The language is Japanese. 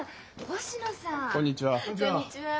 こんにちは。